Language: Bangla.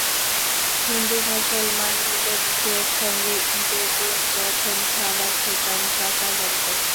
হিন্দু-মুসলমান মিলে মিশে একসঙ্গে ঈদের দিন প্রথম খাবার খেতাম চাচার বাড়িতে।